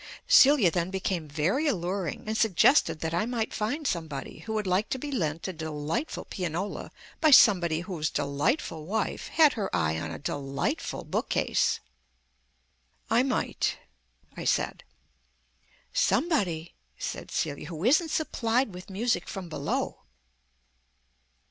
Celia then became very alluring, and suggested that I might find somebody who would like to be lent a delightful pianola by somebody whose delightful wife had her eye on a delightful bookcase. "I might," I said. "Somebody," said Celia, "who isn't supplied with music from below."